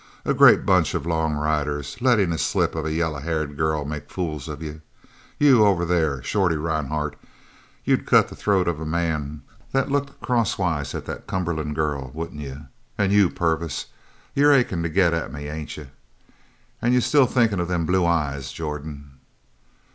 "A great bunch of long riders, lettin' a slip of a yaller haired girl make fools of you. You over there you, Shorty Rhinehart, you'd cut the throat of a man that looked crosswise at the Cumberland girl, wouldn't you? An' you, Purvis, you're aching to get at me, ain't you? An' you're still thinkin' of them blue eyes, Jordan?"